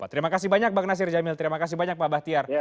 terima kasih banyak bang nasir jamil terima kasih banyak pak bahtiar